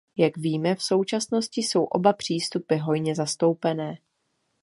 Jak víme, v současnosti jsou oba přístupy hojně zastoupené.